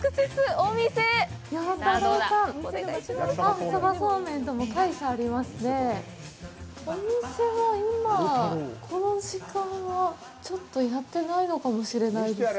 お店は、今、この時間は、ちょっとやってないのかもしれないですか。